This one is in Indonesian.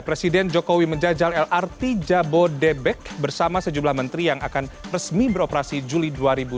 presiden jokowi menjajal lrt jabodebek bersama sejumlah menteri yang akan resmi beroperasi juli dua ribu dua puluh